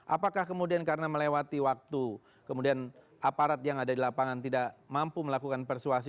apakah kemudian karena melewati waktu kemudian aparat yang ada di lapangan tidak mampu melakukan persuasi